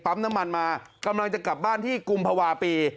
น้ำมันมากำลังจะกลับบ้านที่กุมภาวะปี